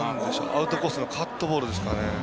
アウトコースのカットボールですかね。